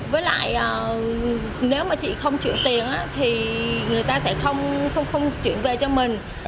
với lại nếu mà chị không chịu tiền thì người ta sẽ không chuyển về cho mình